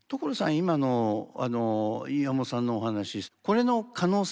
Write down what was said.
今の岩元さんのお話これの可能性